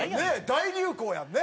大流行やんね？